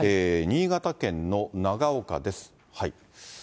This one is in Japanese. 新潟県の長岡です。